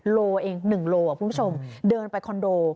ลูกเอง๑ลูกคุณผู้ชมเดินไปคอนโด